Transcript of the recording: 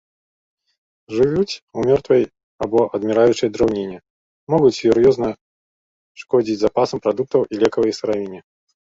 Жывуць у мёртвай або адміраючай драўніне, могуць сур'ёзна шкодзіць запасам прадуктаў і лекавай сыравіне.